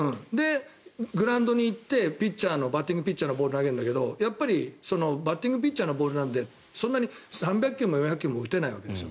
グラウンドに行ってバッティングピッチャーがボールを投げるんだけどやっぱりバッティングピッチャーのボールなんでそんなに３００球も４００球も打てないわけです。